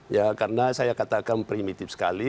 ya karena saya katakan primitif sekali